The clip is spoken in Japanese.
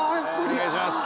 お願いします。